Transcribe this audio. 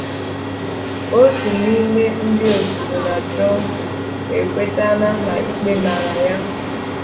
otu n’ịme ndị otu Donald Trump ekwetena n’ịkpe mara ya